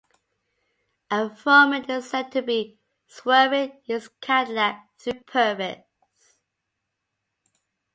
Afroman is said to be swerving his Cadillac through Purvis.